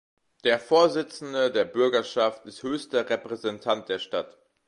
Der Vorsitzende der Bürgerschaft ist höchster Repräsentant der Stadt.